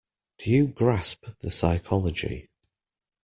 Do you grasp the psychology?